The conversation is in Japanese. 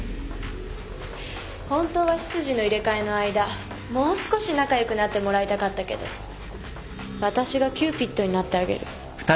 本当は執事の入れ替えの間もう少し仲良くなってもらいたかったけどわたしがキューピッドになってあげる。